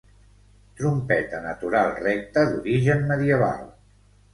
Trompeta natural recta d'origen medieval.